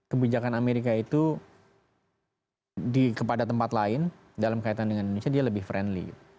kebijakan amerika itu kepada tempat lain dalam kaitan dengan indonesia dia lebih friendly